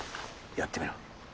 やってみろ。